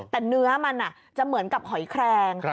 แต่เนื้อมันจะเหมือนกับหอยแครง